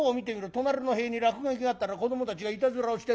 隣の塀に落書きがあったら子どもたちがいたずらをしてるんだ。